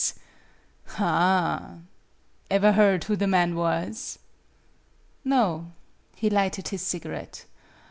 Ah ever heard who the man was ?" "No." He lighted his cigarette.